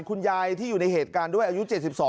คุณยายที่อยู่ในเหตุการณ์ด้วยอายุ๗๒